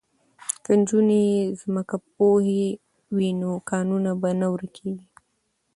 که نجونې ځمکپوهې وي نو کانونه به نه ورکیږي.